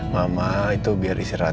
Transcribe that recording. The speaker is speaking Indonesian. mama itu biar istirahat